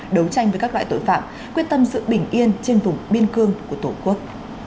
đấu tranh với các loại tội phạm quyết tâm sự bình yên trên vùng biên cương của tổ quốc